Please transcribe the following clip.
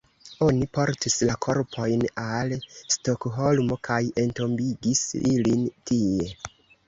Oni portis la korpojn al Stokholmo kaj entombigis ilin tie.